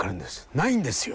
ないんですよ。